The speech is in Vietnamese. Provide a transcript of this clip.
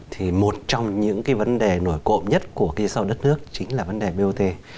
thì một trong những vấn đề nổi cộm nhất của các dự án đất nước chính là vấn đề bot